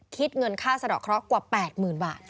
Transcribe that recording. คิดเงินค่าสะดอกเคราะห์กว่าแปดหมื่นบาท